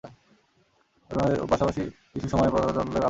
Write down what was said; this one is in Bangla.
প্রথমার্ধের মাঝামাঝি কিছু সময় মোহামেডান মাঝমাঠ দখলে রেখে জামালকে চাপে রাখছিল।